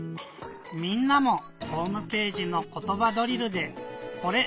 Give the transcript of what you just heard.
みんなもホームページの「ことばドリル」で「これ」